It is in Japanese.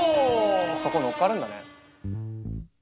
そこ乗っかるんだね。